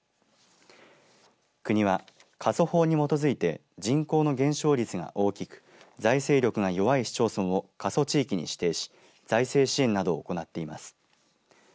国は、過疎法に基づいて人口の減少率が大きく財政力が弱い市町村を過疎地域に指定し財政支援などを行っています。